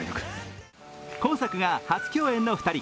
今作が初共演の２人。